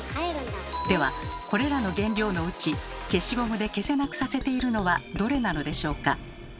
ではこれらの原料のうち消しゴムで消せなくさせているのはどれなのでしょうか？